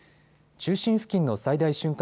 中心付近の最大瞬間